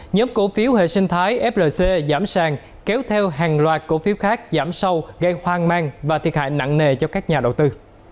nhóm cổ phiếu hệ sinh thái flc giảm sàng kéo theo hàng loạt cổ phiếu khác giảm sâu gây hoang mang và thiệt hại nặng nề cho các nhà đầu tư